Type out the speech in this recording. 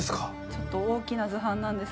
ちょっと大きな図版なんですが。